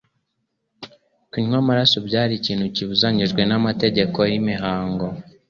Kunywa amaraso byari kintu kibuzariyijwe n'amategeko y'imihango,